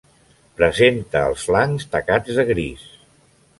Presenta els flancs tacats de gris.